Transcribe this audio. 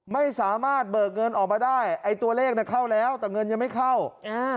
ไม่สามารถเบิกเงินออกมาได้ไอ้ตัวเลขน่ะเข้าแล้วแต่เงินยังไม่เข้าอ่า